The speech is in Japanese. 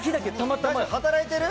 働いてる？